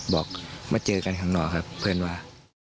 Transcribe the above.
บอกมาเจอกันข้างนอกครับเพื่อนว่า